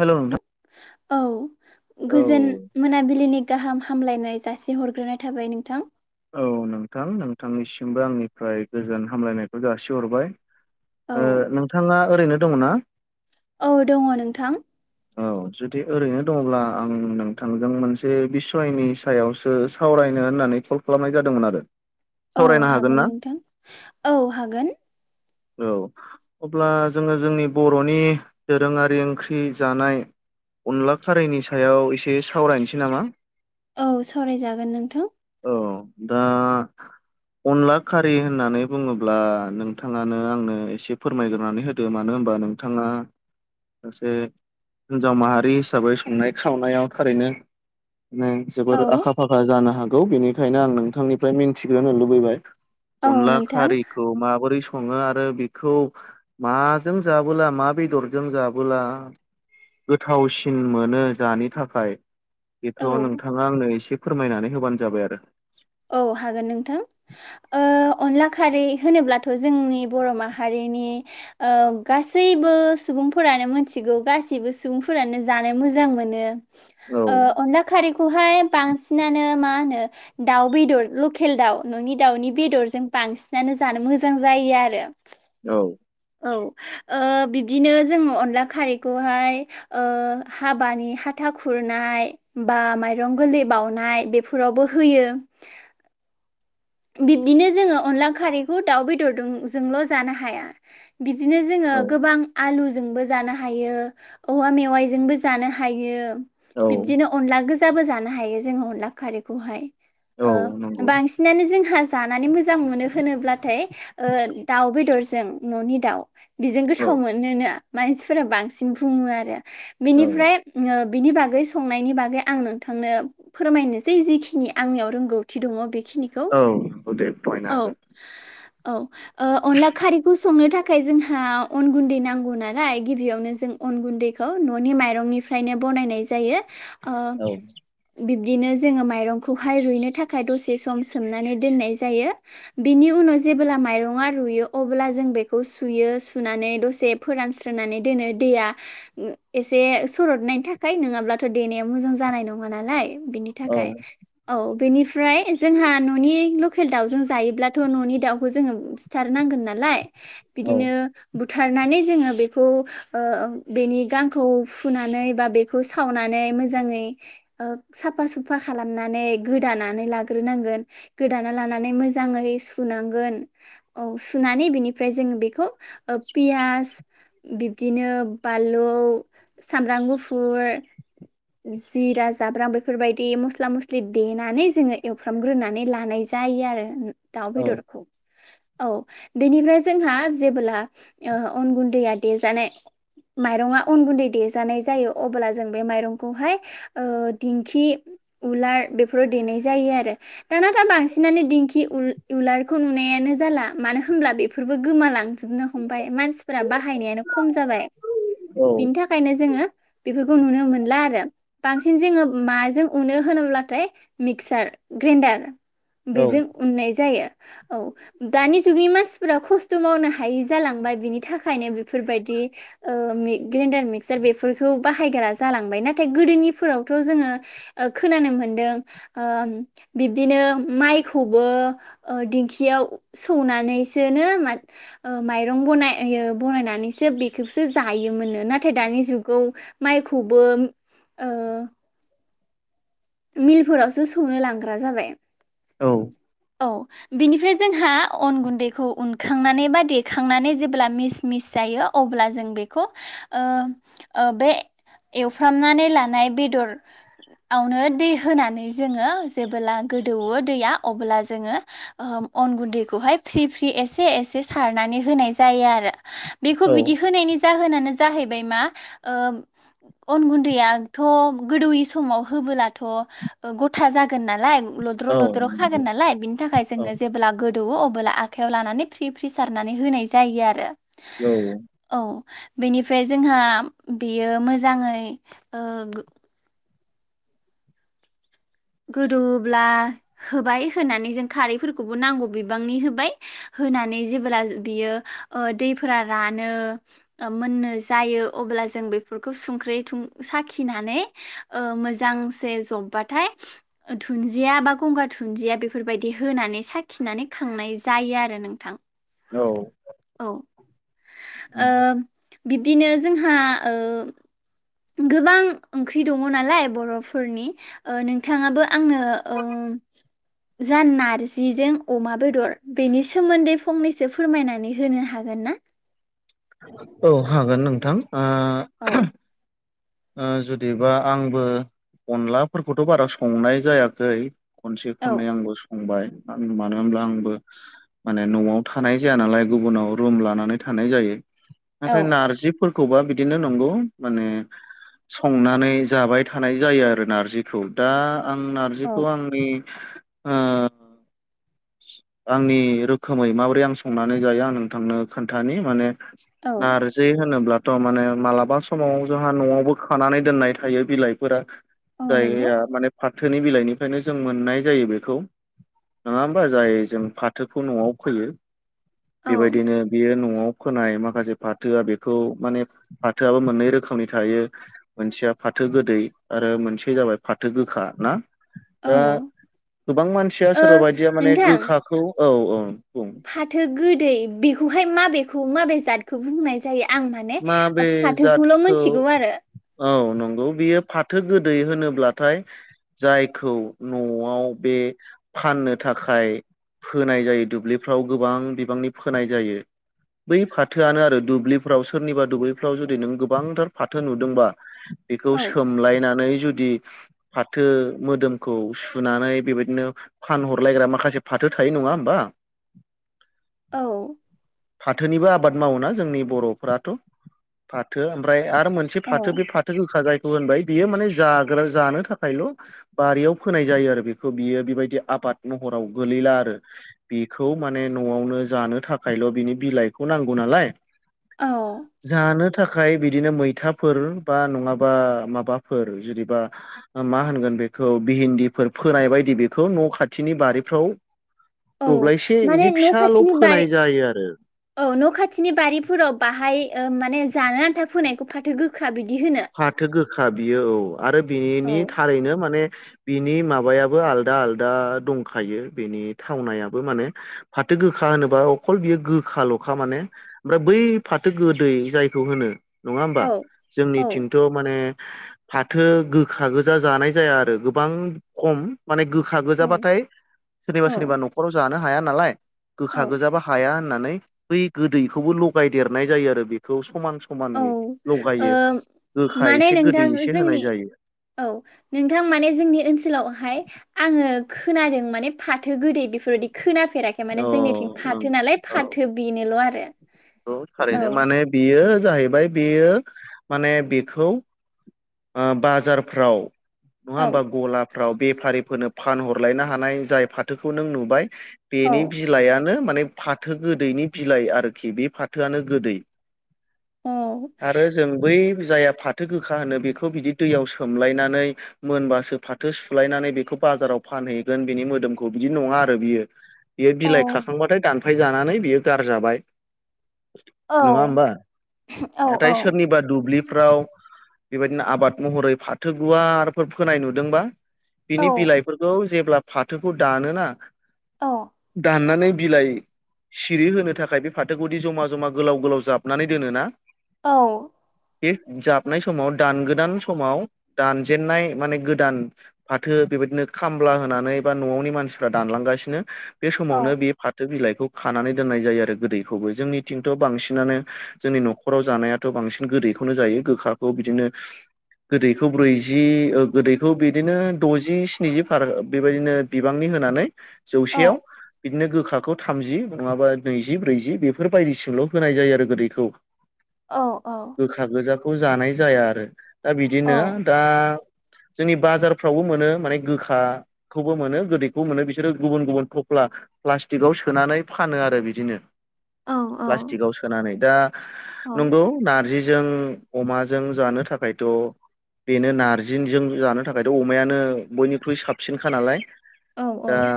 हेल' नोंथां औ औ गोजोन मोनाबिलिनि गाहाम हामलायनाय जासि हरग्रोनाय थाबाय नोंथां औ नोंथां नोंथांनिसिमबो आंनिफ्राय गोजोन हामलायनायखौ जासिहरबाय। औ ओ नोंथाङा ओरैनो दङना औ दङ नोंथां औ जुदि ओरैनो दङब्ला आं नोंथांजों मोनसे बिसयनि सायावसो सावराय नो होननानै कल खालामनाय जादोंमोन आरो। औ सावरायनो ना हागोन नोंथां औ हागोन औ अब्ला जोङो जोंनि बर'नि दोरोङारि ओंख्रि जानाय अनला खारैनि सायाव एसे सावरायनोसै नामा औ सावरायजागोन नोंथां औ दा अनला खारि होननानै बुङोब्ला नोंथाङानो आंनो एसे फोरमायग्रोनानै होदो मानो होनबा नोंथाङा सासे हिनजाव माहारि हिसाबै संनाय खावनायाव थारैनो नों जोबोर औ आखा-फाखा जानो हागौ। बेनिखायनो आं नोंथांनिफ्राय मिन्थिग्रोनो लुबैबाय औ अनला नोंथां खारिखौ माबोरै सं ङो आरो बेखौ माजों जाबोला मा बेदरजों जाबोला गोथावसिन मोनो जानि थाखाय बेथ' औ नोंथाङा आंनो एसे फोरमायनानै होबानो जाबाय आरो औ हागोन नोंथां ओ अनला खारै होनोब्लाथ' जोंनि बर' माहारिनि ओ गासैबो सुबुंफोरानो मोनथिगौ गासैबो सुबुंफोरानो जानो मोजां मोनो। औ ओ अनला खारिखौहाय बांसिनानो मा होनो दाउ बेदर लकेल दाउ न'नि दाउनि बेदरजों बांसिनानो जानो मोजां जायो आरो औ औ ओ बिब्दिनो जोङो अनला खारैखौहाय ओ हाबानि हाथा खुरनाय बा माइरं गोरलै बाउनाय बेफोरावबो होयो। [inaudible] बिब्दिनो जोङो अनला खारैखौ दाउ बेदरदों जोंल' जानो हाया। दिनो जोङो औ गोबां आलु जोंबो जानो हायो औवा मेवाइ जोंबो जानो हायो। बिब्दिनो औ अनला गो जाबो जानो हायो जों अनला खारैखौहाय औ ओ नंगौ बांसिनानो जोंहा जानानै मो मोजां मोनो होनोब्लाथाय ओ दाउ बेदरजों न'नि दाउ बेजों औ गोथाव मोनोना मानसिफोरा बांसिन बुङो आरो औ बिनिफ्राय ओम बिनि बागै संनायनि बागै आं नोंथांनो फोरमायनोसै जिखिनि आंनियाव रोंगौथि दङ बे औ औ दे फोरमायनो हागोन। औ ओ अनला खारैखौ संनो थाखाय जोंहा अन गुन्दै नांगौ नालाय गिबियावनो जों अन गुन्दैखौ न'नि माइरंनिफ्रायनो बनायनाय जायो ओ हागोन। बिब्दिनो जोङो माइरंखौहाय रुइनो थाखाय दसे सम सोमनानै दोननाय जायो बिनि उनाव जेब्ला माइरंआ रुयो अब्ला जों बेखौ सुयो सुना नै दसे फोरानस्रोनानै दोनो दैया उम एसे सरदनायनि थाखाय नोंङाब्लाथ' दै देनाया मोजां जानाय नङा नालाय बिनि औ थाखाय औ बेनिफ्राय जोंहा न'नि लखेल दाउजों जायोब्लाथ' न'नि दाउखौ जोङो सिथारनांगोन नालाय औ बिदिनो बु थारनानै जोङो बेखौ ओ बेनि गांखौ फुनानै बा बेखौ सावनानै मोजाङै ओ साफा सुफा खालामनानै गोदानानै लाग्रोनांगोन। गोदाना लानानै मोजाङै सुनांगोन औ सुनानै बिनिफ्राय जोङो बेखौ ओ पियास बिब्दिनो बालौ, सामब्राम गुफुर जिरा, जाब्रां, बेफोरबायदि मस्ला मस्लि देनानै जोङो एवफ्रामग्रोनानै लानाय जा जायो आरो दाउ औ बेदरखौ औ बेनिफ्राय जोंहा जेबोब्ला ओ अन गुन्दैया देजानाय माइरंआ अन गुन्दै देजानाय जायो अब्ला जों बे माइरं खौहाय ओ दिंखि उलार बेफोराव देनाय जायो आरो दाना दा बांसिन नानो दिंखि उल उलारखौ नुनायानो जाला मानो होमब्ला बेफोरबो गोमालांजोबनो हमबाय मानसिफोरा बाहायनायानो खम जाबाय। बिनि थाखायनो जोङो बेफोरखौ नुनो मोनला आर बांसिन जोङो माजों उनो होनोब्लाथाय मिक्सार, ग्रेइन्डार औ बेजों उननाय जायो। औ दानि जुगनि मासिफोरा खस्थ' मावनो हायै जालांबाय बिनि थाखायनो बिफोरबायदि ओ मि ग्रेन्डार मिक्सार बेफोरखौ बाहायग्रा जालांबायना। थाय गोदोनिफोरावथ' जोङो ओ खोनानो मोनदों ओ बिब्दिनो माइ खौबो ओ दिंखियाव सौनानैसोनो मा ओ माइरं बनाय यो बनायनानैसो बेखौसो जायोमोनो नाथाय दानि जुगाव माइखौबो ओ मिलफोरावसो सौनो लांग्रा जाबाय। औ। औ बिनिफ्राय जोंहा अन गुन्दैखौ उनखांनानै बा देखांनानै जेब्ला मिस मिस जा यो अब्ला जों बेखौ ओ ओ बे एवफ्रामनानै लानाय बेदर आवनो दै होनानै जोङो जेबोब्ला गोदौवो दैया अब्ला जोङो ओम अन गुन्दैखौहाय फ्रि फ्रि एसे एसे सारनानै होनाय जायो आरो। बिखौ औ बिदि होनायनि जाहोनानो जाहैबाय मा ओ अन गुनदैयाथ' गोदौयै समाव होबोलाथ' ओ गथा जागोन नालाय लद्र' औ लद्र' खागोन नालाय बिनि थाखाय औ जोङो जेब्ला गो दौओ अब्ला आखायाव लानानै फि फ्रि सारनानै होनाय जायो आरो औ बेनिफ्राय जोंहा बेयो मोजाङै ओ गोदौब्ला होबाय होनानै जों खारैफोरखौबो नांगौ बिबांनि होबाय होनानै जेबोला बियो ओ दैफोरा रानो ओम मोननो जायो अब्ला ला जों बिफोरखौ सुंख्रै थुं साखिनानै ओ मोजांसे जब्बाथाय [inaudible] ओ दुन्दिया बा गंगार दुन्दिया बेफोरबायदि होनानै साखिनानै खांनाय जायो आरो नोंथां। औ । ओम बिब्दिनो जोंहा ओ गोबां ओंख्रि दङ नालाय बर'फोरनि ओ नों थाङाबो आंनो ओ जा नारजिजों अमा बेदर बेनि सोमोन्दै फंनैसो फोरमायनानै होनो हाग होना? औ हागोन नोंथां। औ। आ जुदिबा आंबो अनलाफोरखौथ' बारा संनाय जायाखै खनसे औ खननै आंबो अंबाय आं मानो होनब्ला आंबो माने न'आव थानाय जाया नालाय गुबुनाव रुम लानानै था थानाय जायो औ नाथाय नारजिफोरखौबा बिदिनो नंगौ माने संनानै जाबाय थानाय जायो आरो नारजिखौ दा आं नारजिखौ औ आंनि ओ आंनि रोखोमै माबोरै आं संनानै जायो आं नोंथांनो खोन्थानि माने औ नारजि होनोब्ला थ' माने मालाबा समाव जोंहा न'आवबो खानानै दोननाय थायो बिलाइफोरा औ नंगौ जायया माने फाथोनि बिलाइनिफ्रायनो जों मोननाय जायो बेखौ नङा बा जायो जों फाथोखौ न'आव फैयो औ बेबायदिनो बेयो न'आव फोनाय माखासे फाथोया बेखौ माने फाथोयाबो मोननै रोखोमनि थायो मोनसेआब फाथो गोदै आरो मोनसे जाबाय फाथो गोखा ना? दा गोबां मानसिया ओ सोरबा बाय माने नोंथां गोखाखौ औ औ बुं पु माबे जादखौ बुंनाय जायो? आं माने माबे फाथोखौल' मोनथिगौ आरो। नोंगौ बियो फाथो गोदै होनोब्लाथाय जायखौ न'आव बे फाननो थाखाय फोनाय जायो दुब्लिफ्राव गोबां बिबांनि फोनाय जायो बै फाथोआनो आरो दुब्लिफोराव होरनिबा दुुल्बिफ्राव जुदि नों गोबांथार फाथो नुदोंबा बेखौ औ सोमलायनानै जुदि फाथो मोदोमखौ सुनानै बेबायदिनो फानहरलायग्रा माखासे फाथ थो थायो नङा होमबा? औ फाथोनिबो आबाद मावोना जोंनि बर'फ्राथ' फाथो ओमफ्राय आद बा मोनसे औ फाथो बे फाथो गोखा जाय उ होनबाय बियो माने जाग्रा जानो थाखायल' बारियाव फोनाय जायो आरो बिखौ बियो बेबायदि आब बाद महराव गोलैला आरो बेखौ माने न'आवनो जानो थाखायल' बिनि बिलाइखौ नां गनालाय औ थाखाय बिदिनो मैथाफोर बा नङाबा माबाफोर जुरिबा मा होनगोन बेखौ भेहेन्दिफोर फोनाय बायदि बेखौ न' खाथिनि बारिफ्राव औ दब्लायसे माने बिदि न' फिसाल' खाथिनि बारि फोनाय जायो आरो औ न' खाथिनि बारिफोराव बाहाय ओ माने जाना आन्था फोनायखौ फाथो गोखा बिद फाथो गोखा बियो औ आरो औ बिनि थारैनो माने बिनि माबायाबो आलदा आलदा दंखायो बिनि थावनायाबो माने फाथो गोखा खा होनोबा अखल बियो गोखा ल'खा माने ओमफ्राय बै फाथो गोदै जायखौ होनो नङा होमबा औ जोंनि औ उ माने फाथो गोखा गोजा जानाय जाया आरो गोबां खम माने गोखा औ गोजाबाथाय सोरनिबा सोरनिबा औ न'खराव जानो हाया नालाय गोखा औ गोजाबा हाया होननानै बै गोदैखौबो लगायदेरनाय जायो आरो बेखौ समान औ समाननै ओ लगायो गोखा माने एसे गोदै नोंथां एसे होनाय जोंनि जायो औ नोंथां माने जोंनि ओनसोलावहाय आङो खोनादों माने फाथो गोदै बेफोरबायदि खोना फेराखै औ माने जोंनिथिं नों फाथो नालाय औ फाथो बेनोल' आरो औ थारैनो माने बेयो जाहैबाय बेयो माने बेखौ ओ बाजारफ्राव नङा औ होमबा गलाफ्राव बेफारिफोरनो फानहरलायनो हानाय जाय फाथोखौ नों नुबाय औ बेनि बिलायानो माने फाथो गोदैनि बिलाइ आरोखि बे फाथोआनो गोदै आरो जों बै जाया फाथो गोखा होनो बेखौ बिदि दैयाव सोमलायनानै मोनबासो फाथो सुलायनानै बेखौ बाजाराव फानहैगोन बिनि मोदोमखौ बिदि नङा आरो बियो बियो औ बिलाइ खाखांबाथाय दानफाय जानानै बियो गारजाबाय औ नङा होमबा औ नाथाय सोरनिबा दुब्लि फ्राव बेबायदिनो आबाद महरै फाथो गुवारफोर फोनाय नुदोंबा औ बिनि बिलाइफोरखौ जेब्ला फाथोखौ दानोना दाननानै बिलाइ सिरि होनो थाखाय बे फाथोखौ गुदि जमा जमा गोलाव गोलाव जाबनानै दोनोना औ बे जाबनाय समाव दान गोदान समाव दानजेननाय माने गोदान फाथो बेबायदिनो खामला होनानै बा न'आवनि मानसिफ्रा दानलांगासिनो बे औ समावनो बे फाथो बिलाइखौ खानानै दोननाय जायो आरो गोदै जोंनिथिंथ' बांसिनानो जोंनि न'खराव जानायाथ' बांसिन गोदैखौनो जायो गोखाखौ बिदिनो [unintelligible] गोदैखौ ब्रैजि गोदैखौ बिदिनो द'जि स्निजि फार बेबायदिनो बिबांनि होनानै औ जौसेयाव बिदिनो गोखाखौ थामजि नङाबा नैजि ब्रैजि बेफोरबायायदिसोल' होनाय जायो आरो गोदैखौ औ औ खौ जानाय जाया आरो दा बिदिनो औ दा जोंनि बाजारफ्रावबो मोनो माने गोखाखौबो मोनो गोदैखौबो मोनो बिसोरो गुबुन गुबुन थफ्ला प्लास्टिकआव सोनानै फानो आरो बिदिनो प्लास्टिकआव सोनानै दा नंगौ नारजि जों अमाजों जानो थाखायथ' बेनो नारजिनजों जानो थाखायथ' अमायानो बयनिख्रुइ साबसिनखा नालाय औ दा औ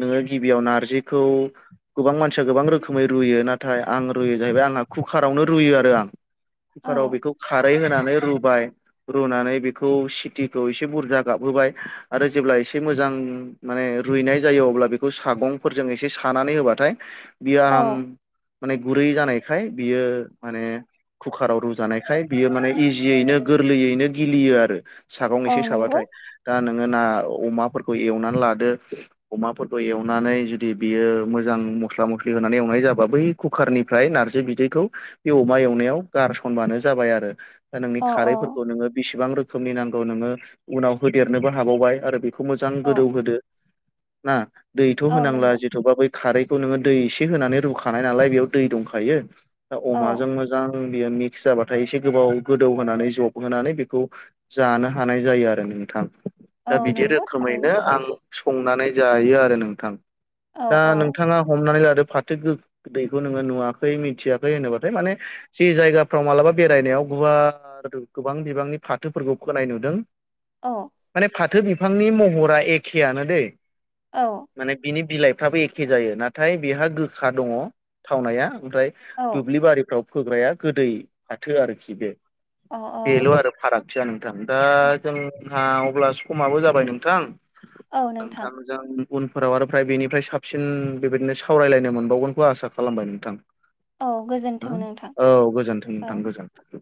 नोङो गिबियाव नारजिखौ गोबां मानसिया गोबां रोखो खोमै रुयो नाथाय आं रुयो जाहैबाय आंहा कुकार आवनो रुयो आरो आं कुकाराव बेखौ खारै होना राबाय रुनानै बेखौ सिथिखौसे बुरजा गाबहोबाय आरो जेब्ला एसे मोजां माने रुइनाय जायो अब्ला बेखौ सागंफोरजों एसे सानानै होबाथाय। बियो आराम औ माने गुरै जानायखाय बियो माने। कुकाराव रुजानायखाय बियो माने इजियैनो गोरलैयैनो गिलियो आरो। सागं औ एसे नंगौ साबाथाय दा। नोङो ना अमाफोरखौ एवनानै लादो अमाफोरखौ एवनानै जुदि बियो मोजां। मस्ला मस। होनानै एवनाय जाबा बै कुकारनिफ्राय नारजि बिदैखौ बे अमा एवनायाव गारसनबानो जाबाय आरो। दा नोंनि औ औ खारैफोरखौ नोङो बेसिबां रोखोमनि नांगौ नोङो उनाव होदेरनोबो हाबावबाय आरो। खौ मोजां औ गोदौ होदो ना दैथ' औ होनांला नंगौ जेथबा बै खारैखौ नोङो दै। होनानै रुखानाय नालाय बेयाव दै दंखायो दा औ अमाजों मोजां। बेयो मिक्स जाबाथाय एसे गोबाव गोदौ होनानै जब होनानै बेखौ जानो हानाय जायो आरो । नोंथां दा औ बिदि नंगौ थारैनो रोखोमैनो आं। संनानै जायो आरो नोंथां औ दा औ नोंथाङा हमनानै ला। फाथो गोदैखौ नोङो नुवाखै मिथियाखै होनोबाथाय माने जे जायगाफ्राव मालाबा बेरायनायाव। गुवार गोबां बिबांनि फाथोफोरखौ फोनाय नुदों। औ माने फाथो बिफांनि महरा एखेयानो दैे औ माने बिनि। बिलाइफ्राबो एखे जायो नाथाय बेहा गोखा दङ थावनाया ओमफ्राय औ दुब्लि बारिफ्राव फोग्राया गोदै फाथो आरोखि बे अ बेल' आरो फारागथिया नों दा जोंहा अब्ला समाबो जाबाय नोंथां। औ नोंथां। नोंथांजों उनफोराव आरो फ्राय बेनिफ्राय साबसिन बेबायदिनो सावरायलायनो मोनबावगोनखौ आसा खालामबाय नोंथां। औ गोजोन्थों नोंथां औ गोजोनथों औ नोंथां गोजोनथों।